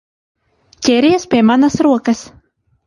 Ķeries pie manas rokas!